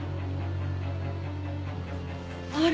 あれ？